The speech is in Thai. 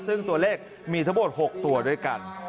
ซึ่งตัวเลขมีทั้งหมด๖ตัวด้วยกัน